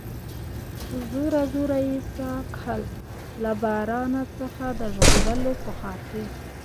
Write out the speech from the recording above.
په زوره زوره یې ساه کښل، له باران څخه د ژغورلو په خاطر.